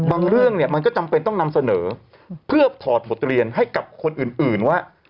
เรื่องเนี่ยมันก็จำเป็นต้องนำเสนอเพื่อถอดบทเรียนให้กับคนอื่นว่า